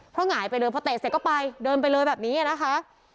เพราะหงายไปเลยพอเตะเสร็จก็ไปเดินไปเลยแบบนี้นะคะ